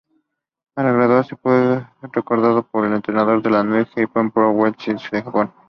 Al graduarse, fue recomendado por entrenadores de la New Japan Pro Wrestling de Japón.